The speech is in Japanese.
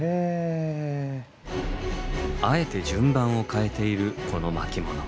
あえて順番を変えているこの巻物。